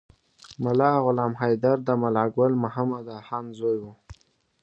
ملا غلام حیدر د ملا ګل محمد اخند زوی و.